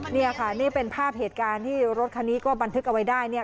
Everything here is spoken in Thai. นี่ค่ะนี่เป็นภาพเหตุการณ์ที่รถคันนี้ก็บันทึกเอาไว้ได้เนี่ย